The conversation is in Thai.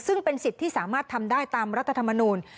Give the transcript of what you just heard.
ซึ่งเป็นสิทธิ์ที่สามารถทำได้ตามรัฐธรรมนูล